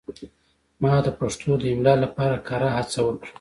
ما د پښتو د املا لپاره کره هڅه وکړه.